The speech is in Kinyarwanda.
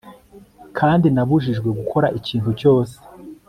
kandi nabujijwe gukora ikintu cyose